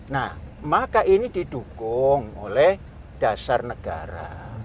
nah maka ini didukung oleh dasar negara